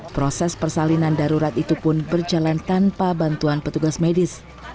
proses persalinan darurat itu pun berjalan tanpa bantuan petugas medis